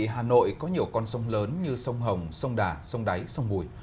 hà nội có nhiều con sông lớn như sông hồng sông đà sông đáy sông bùi